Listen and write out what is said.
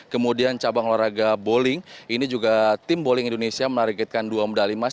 kemudian cabang olahraga bowling ini juga tim bowling indonesia menargetkan dua medali emas